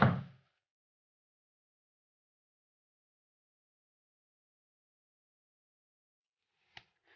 kau tidak bisa